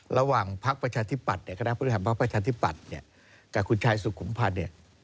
ระหว่างพักประชาธิบัติกับคุณชายสุขุมภัณฑ์